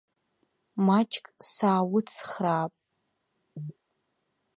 Маҷк саауцхраап!